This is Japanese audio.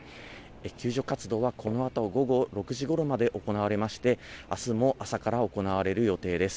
救助活動はこのあと午後６時ごろまで行われまして、あすも朝から行われる予定です。